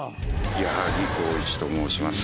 矢作公一と申します。